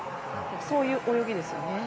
そういう泳ぎですよね。